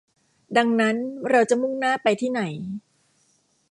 ดังนั้นเราจะมุ่งหน้าไปที่ไหน